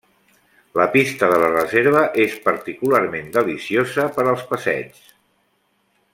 La pista de la reserva és particularment deliciosa per als passeigs.